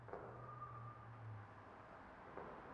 যেখানেই কোনো আবাসিক এলাকা করা হবে, সেখানে জলাধার তৈরি করতে হবে।